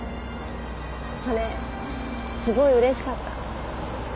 それすごいうれしかった。